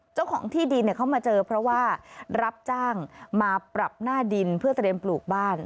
เจ้าของที่ดินเขามาเจอเพราะว่ารับจ้างมาปรับหน้าดินเพื่อเตรียมปลูกบ้าน